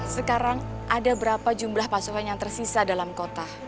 sekarang ada berapa jumlah pasukan yang tersisa dalam kota